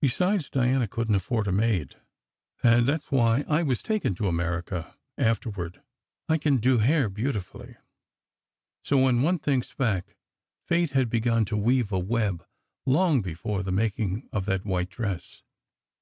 Besides, Diana couldn t afford a maid. And that s why I was taken to America afterward. I can do hair beautifully. So, when one thinks back, Fate had begun to weave a web long before the making of that white dress.